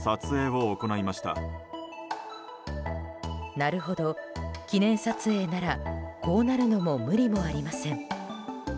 なるほど、記念撮影ならこうなるのも無理もありません。